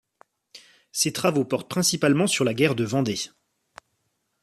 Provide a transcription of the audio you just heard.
Ses travaux portent principalement sur la guerre de Vendée.